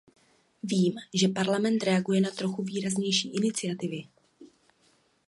Vím, že Parlament reaguje na trochu výraznější iniciativy.